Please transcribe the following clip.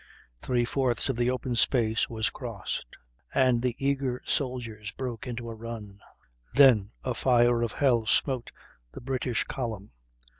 Three fourths of the open space was crossed, and the eager soldiers broke into a run. Then a fire of hell smote the British column.